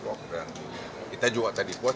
kita juga tadi puas